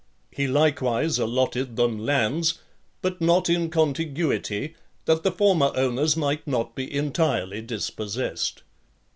He likewise allotted them lands, but not in contiguity, that the former owners might not be entirely dispossessed.